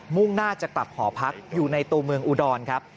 ่งหน้าจะกลับหอพักอยู่ในตัวเมืองอุดรครับ